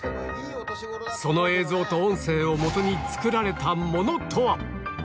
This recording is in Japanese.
その映像と音声をもとに作られたものとは。